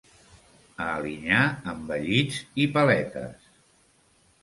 A Alinyà, envellits i paletes.